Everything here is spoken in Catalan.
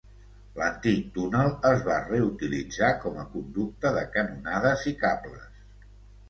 L'antic túnel es va reutilitzar com a conducte de canonades i cables.